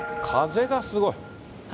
風がすごい。